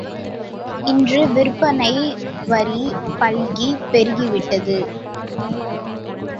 இன்று விற்பனை வரி பல்கிப் பெருகிவிட்டது.